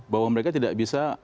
bahwa mereka tidak bisa